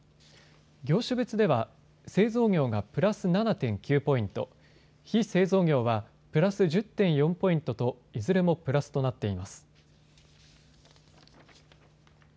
業種別では製造業がプラス７．９ポイント、非製造業はプラス１０．４ポイントといずれもプラスとなっています。